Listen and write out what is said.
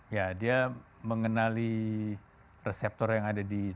ya dia mengenali reseptor yang ada di